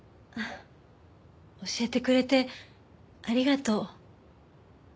教えてくれてありがとう。